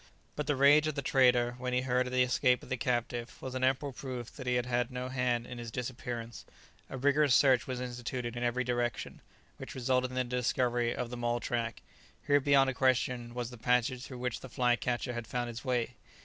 But the rage of the trader when he heard of the escape of the captive was an ample proof that he had had no hand in his disappearance. A rigorous search was instituted in every direction, which resulted in the discovery of the mole track. Here beyond a question was the passage through which the fly catcher had found his way.